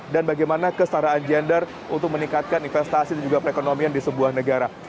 dan bagaimana kesetaraan gender untuk meningkatkan investasi juga perekonomian di sebuah negara